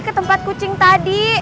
ke tempat kucing tadi